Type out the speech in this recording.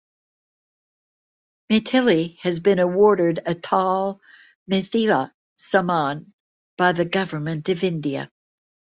Maithili has been awarded Atal Mithila Samman by the Government of India.